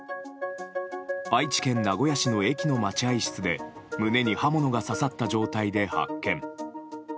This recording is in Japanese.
愛知県名古屋市の駅の待合室で胸に刃物が刺さった状態で発見。